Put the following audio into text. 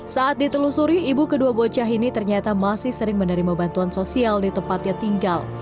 saat ditelusuri ibu kedua bocah ini ternyata masih sering menerima bantuan sosial di tempatnya tinggal